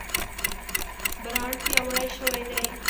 برانډ پیاوړی شوی دی.